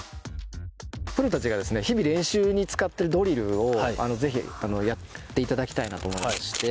プロたちがですね日々練習に使ってるドリルをぜひやっていただきたいなと思いまして。